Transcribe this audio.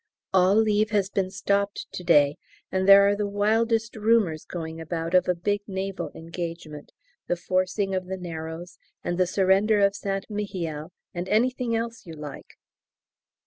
All leave has been stopped to day, and there are the wildest rumours going about of a big naval engagement, the forcing of the Narrows, and the surrender of St Mihiel, and anything else you like!